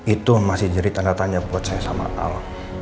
itu masih jadi tanda tanya buat saya sama allah